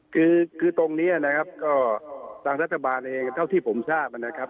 คือตรงนี้นะครับก็ทางรัฐบาลเองเท่าที่ผมทราบนะครับ